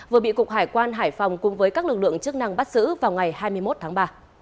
vừa bị cục hải quan hải phòng cùng với các lực lượng chức năng bắt giữ vào ngày hai mươi một tháng ba